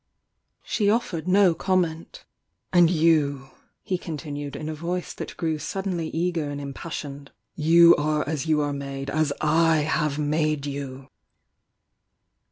She offered no comment. "And you," he continued in a voice that grew suddenly eager and impassioned— "You are as you are made!— as / have made you!"